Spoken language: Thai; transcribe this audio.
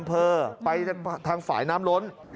ไปทางฝ่ายน้ำล้น